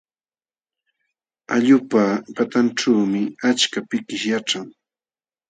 Allqupa patanćhuumi achka pikish yaćhan.